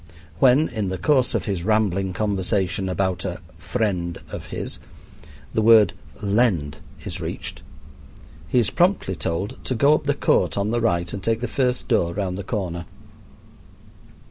When, in the course of his rambling conversation about a "friend" of his, the word "lend" is reached, he is promptly told to go up the court on the right and take the first door round the corner.